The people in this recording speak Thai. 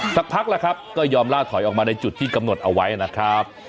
สักพักแล้วครับก็ยอมล่าถอยออกมาในจุดที่กำหนดเอาไว้นะครับ